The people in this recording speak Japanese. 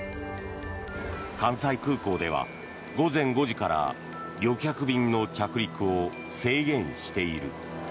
関西空港では午前５時から旅客便の着陸を制限している。